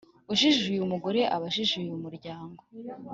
Ujijuye umugore aba ajijuye umuryango